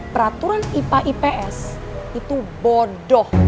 peraturan ipa ips itu bodoh